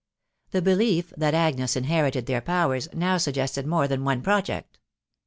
The belief that Agnes inherited their powers, now suggested more than one project.